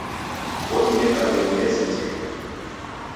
Odineka memu yezitiria